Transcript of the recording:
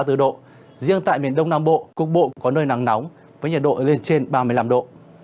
trên biển đông nam bộ cục bộ có nơi nắng nóng với nhật độ lên trên ba mươi năm độ